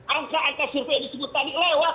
angka angka survei yang disebut tadi lewat